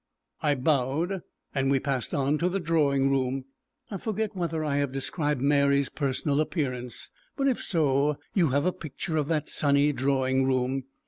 I bowed, and we passed on to the drawing room. I forget whether I have described Mary's personal appearance, but if so you have a picture of that sunny drawing room.